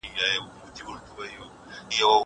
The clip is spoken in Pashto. که وخت وي، مځکي ته ګورم!